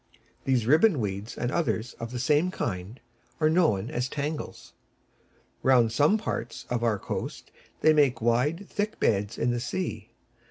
These ribbon weeds, and others of the same kind, are known as Tangles. Round some parts of our coast they make wide, thick beds in the sea.